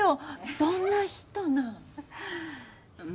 どんな人なん？